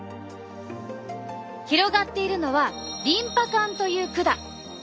広がっているのはリンパ管という管。